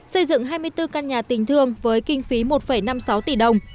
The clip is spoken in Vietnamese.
xây dựng hai mươi bốn căn nhà tình thương với kinh phí một năm mươi sáu tỷ đồng